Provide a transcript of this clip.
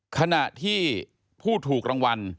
ขณะที่ผู้ถูกรางวัล